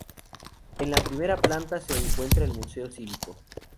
En la primera planta se encuentra el Museo Civico.